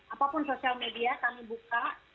apapun sosial media kami buka